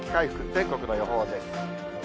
全国の予報です。